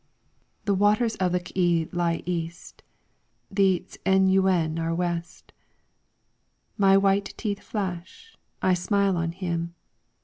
The waters of the K'e lie east, The Ts''en yuen are west. My white teeth flash, I smile on him.